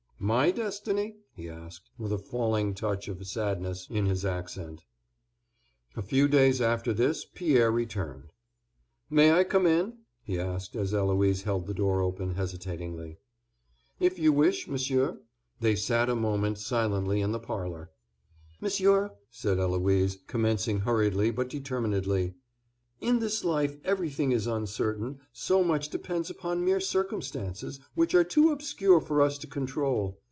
"My destiny?" he asked, with a falling touch of sadness in his accent. A few days after this Pierre returned. "May I come in?" he asked, as Eloise held the door open hesitatingly. "If you wish, Monsieur." They sat a moment silently in the parlor. "Monsieur," said Eloise, commencing hurriedly but determinedly, "in this life everything is uncertain; so much depends upon mere circumstances, which are too obscure for us to control.